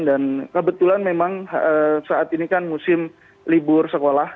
dan kebetulan memang saat ini kan musim libur sekolah